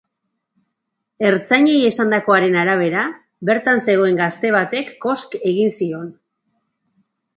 Ertzainei esandakoaren arabera, bertan zegoen gazte batek kosk egin zion.